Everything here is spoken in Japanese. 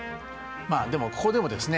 まあでもここでもですね